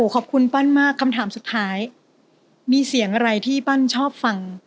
ปั้นมากคำถามสุดท้ายมีเสียงอะไรที่ปั้นชอบฟัง